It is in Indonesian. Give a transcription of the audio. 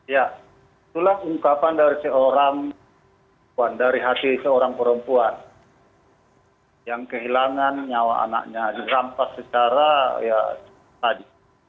ya itulah ungkapan dari seorang perempuan dari hati seorang perempuan yang kehilangan nyawa anaknya dirampas secara ya tadi